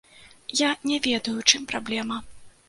Я не ведаю ў чым праблема.